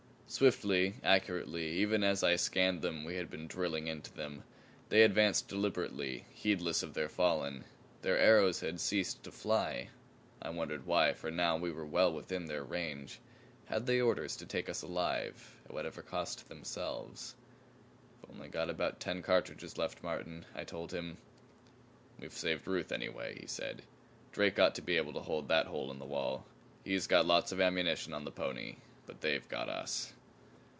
Swiftly, accurately, even as I scanned them, we had been drilling into them. They advanced deliberately, heedless of their fallen. Their arrows had ceased to fly. I wondered why, for now we were well within their range. Had they orders to take us alive at whatever cost to themselves? "I've got only about ten cartridges left, Martin," I told him. "We've saved Ruth anyway," he said. "Drake ought to be able to hold that hole in the wall. He's got lots of ammunition on the pony. But they've got us."